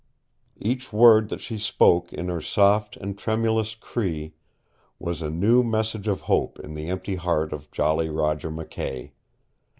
Each word that she spoke in her soft and tremulous Cree was a new message of hope in the empty heart of Jolly Roger McKay.